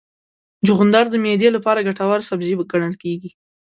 چغندر د معدې لپاره ګټور سبزی ګڼل کېږي.